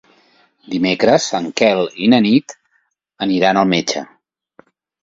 Dimecres en Quel i na Nit iran al metge.